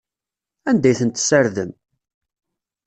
Anda ay ten-tessardem?